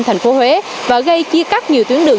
thành phố huế và gây chia cắt nhiều tuyến đường